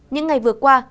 những ngày vừa qua